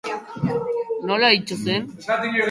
Nola ito zen?